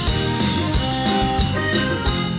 ใครเป็นคู่ควรแม่คุณ